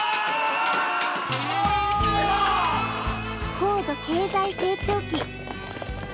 高度経済成長期。